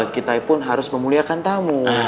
kita pun harus memuliakan tamu